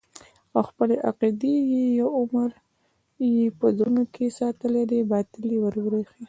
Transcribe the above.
او خپلې عقيدې چې يو عمر يې په زړونو کښې ساتلې دي باطلې وبريښي.